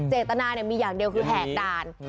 เจตนามีอย่างเดียวคือแหกด่าน